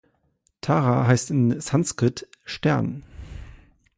Tara heißt im Sanskrit „Stern“.